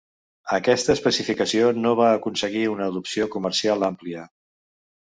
Aquesta especificació no va aconseguir una adopció comercial àmplia.